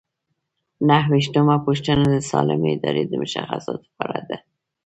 نهه ویشتمه پوښتنه د سالمې ادارې د مشخصاتو په اړه ده.